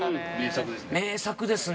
名作ですね。